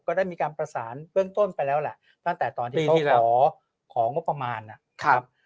ก็ได้มีการประสานจะเชิญต้นไปแล้วแหละตั้งแต่ตอนที่เขาขอของก็ประมาณอ่ะ